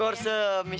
tentu saja pak